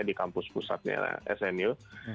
di kampus pusatnya snu